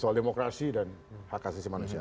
soal demokrasi dan hak asasi manusia